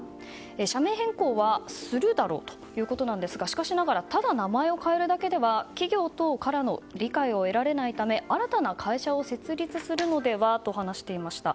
社名変更はするだろうということなんですがしかしながらただ名前を変えるだけでは企業等からの理解を得られないため新たな会社を設立するのではと話していました。